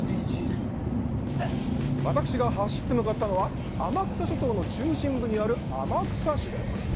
私が走って向かったのは天草諸島の中心部にある天草市です